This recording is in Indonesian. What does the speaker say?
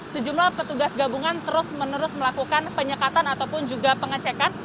sejumlah petugas gabungan terus menerus melakukan penyekatan ataupun juga pengecekan